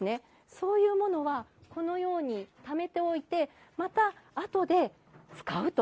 そういうものはこのようにためておいてまたあとで使うと。